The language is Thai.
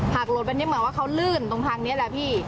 หลุดไปนี่เหมือนว่าเขาลื่นตรงทางนี้แหละพี่